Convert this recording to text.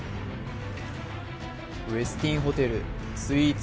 ウェスティンホテルスイーツ